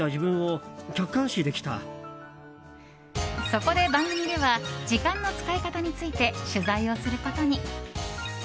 そこで番組では時間の使い方について取材をすることに。